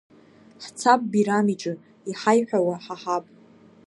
Ҳцап бирам иҿы, иҳаиҳәауа ҳаҳап.